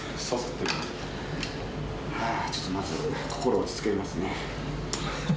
はあ、ちょっとまず、心を落ち着けますね。